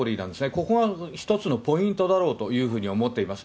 ここは一つのポイントだろうというふうに思っています。